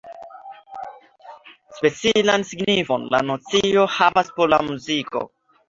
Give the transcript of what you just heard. Specialan signifon la nocio havas por la muziko.